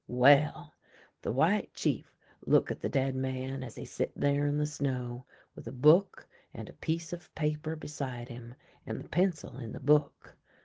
" Well, the White Chief look at the dead man as he sit there in the snow, with a book and a piece of paper beside him, and the pencil in the book.